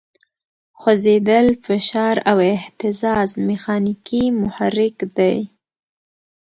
خوځېدل، فشار او اهتزاز میخانیکي محرک دی.